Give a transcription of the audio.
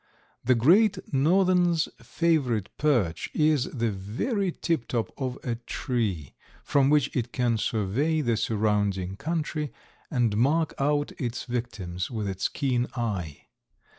The Great Northern's favorite perch is the very tiptop of a tree, from which it can survey the surrounding country and mark out its victims with its keen eye.